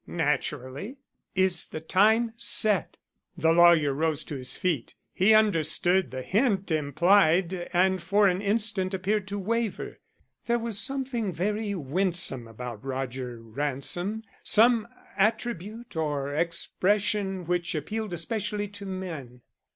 "Naturally." "Is the time set?" The lawyer rose to his feet. He understood the hint implied and for an instant appeared to waver. There was something very winsome about Roger Ransom; some attribute or expression which appealed especially to men.